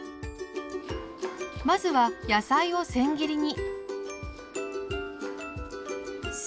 まずは野菜をせん切りに。